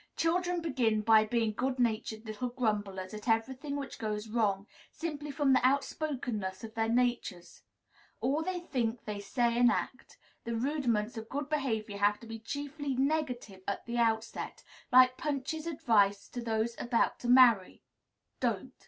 Children begin by being good natured little grumblers at every thing which goes wrong, simply from the outspokenness of their natures. All they think they say and act. The rudiments of good behavior have to be chiefly negative at the outset, like Punch's advice to those about to marry, "Don't."